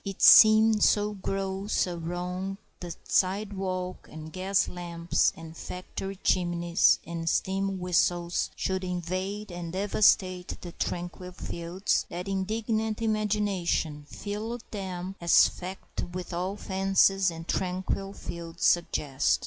It seemed so gross a wrong that sidewalks and gas lamps and factory chimneys and steam whistles should invade and devastate the tranquil fields that indignant imagination filled them as fact with all the fancies that tranquil fields suggest.